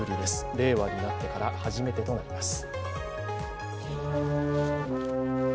令和になってから初めてとなります。